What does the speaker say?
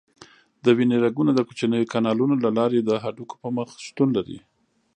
د وینې رګونه د کوچنیو کانالونو له لارې د هډوکو په مخ شتون لري.